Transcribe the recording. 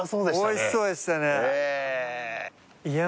おいしそうでしたねいや